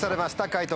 解答